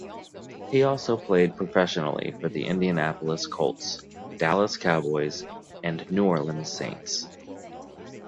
He also played professionally for the Indianapolis Colts, Dallas Cowboys, and New Orleans Saints.